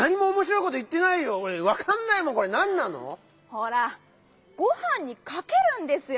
ほらごはんにかけるんですよ！